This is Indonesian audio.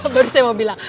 baru saya mau bilang